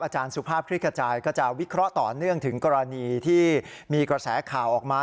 สุภาพคลิกกระจายก็จะวิเคราะห์ต่อเนื่องถึงกรณีที่มีกระแสข่าวออกมา